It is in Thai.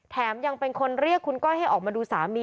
แถมยังเป็นคนเรียกคุณก้อยให้ออกมาดูสามี